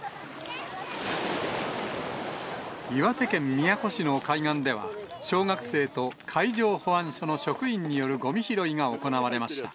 岩手県宮古市の海岸では、小学生と海上保安署の職員によるごみ拾いが行われました。